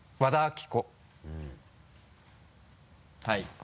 はい。